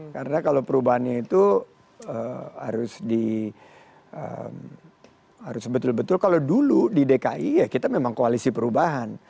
karena kalau perubahannya itu harus di harus betul betul kalau dulu di dki ya kita memang koalisi perubahan